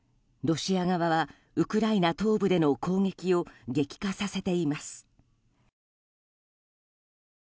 ロシア側はウクライナ東部での攻撃を激化させています。